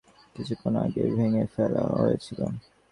এখন আর মনেই হয় না দেয়ালটাকে কিছুক্ষণ আগে ভেঙে ফেলা হয়েছিল।